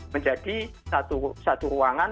menjadi satu ruangan